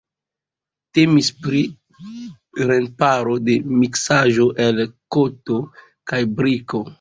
Temis pri remparo de miksaĵo el koto kaj briko.